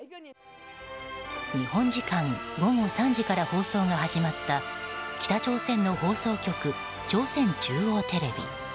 日本時間午後３時から放送が始まった北朝鮮の放送局・朝鮮中央テレビ。